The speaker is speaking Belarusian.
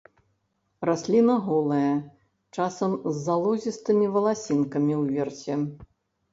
Расліна голая, часам з залозістымі валасінкамі ўверсе.